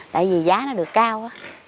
tại vì giá nó được cao